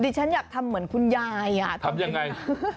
ฉันอยากทำเหมือนคุณยายอ่ะทำยังไง